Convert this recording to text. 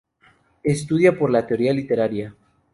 Es estudiada por la teoría literaria.